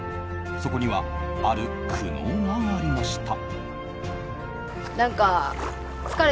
そこには、ある苦悩がありました。